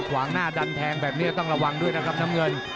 วางหน้าดันแทงแบบนี้ต้องระวังด้วยนะครับน้ำเงิน